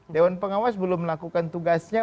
dewan pengawas belum melakukan tugasnya